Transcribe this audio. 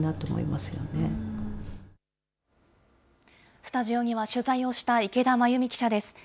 スタジオには、取材をした池田麻由美記者です。